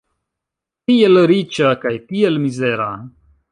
Tiel riĉa kaj tiel mizera!